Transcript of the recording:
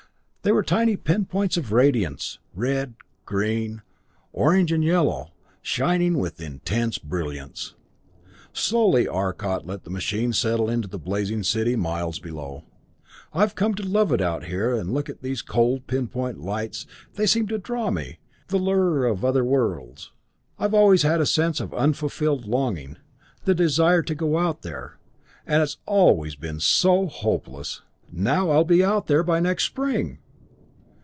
They were tiny pinpoints of radiance, red, green, orange, and yellow, shining with intense brilliance. Slowly Arcot let the machine settle to the blazing city miles below. "I love to come out here and look at those cold, pinpoint lights; they seem to draw me the lure of other worlds. I've always had a sense of unfulfilled longing the desire to go out there and it's always been so hopeless. Now I'll be out there by next spring!"